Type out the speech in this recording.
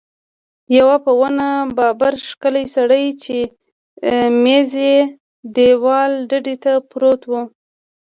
یو په ونه برابر ښکلی سړی چې مېز یې دېواله ډډې ته پروت و.